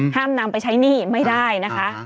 นำไปใช้หนี้ไม่ได้นะคะ